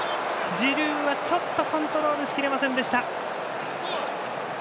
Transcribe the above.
ジルーはコントロールしきれませんでした。